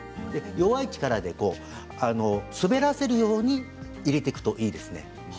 弱い力で滑らせるように入れていくといいですね。